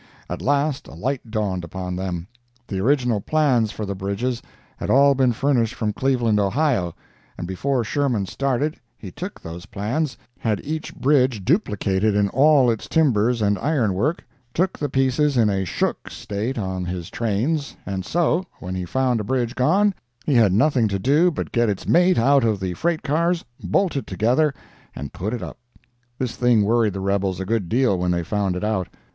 At last a light dawned upon them. The original plans for the bridges had all been furnished from Cleveland, Ohio, and before Sherman started he took those plans, had each bridge duplicated in all its timbers and iron work, took the pieces in a "shook" state on his trains, and so, when he found a bridge gone, he had nothing to do but get its mate out of the freight cars, bolt it together, and put it up. This thing worried the rebels a good deal when they found it out.